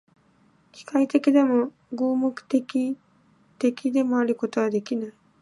機械的でも、合目的的でもあることはできない。